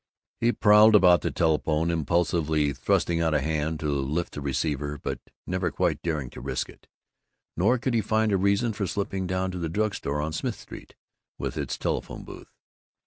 He prowled about the telephone, impulsively thrusting out a hand to lift the receiver, but never quite daring to risk it. Nor could he find a reason for slipping down to the drug store on Smith Street, with its telephone booth.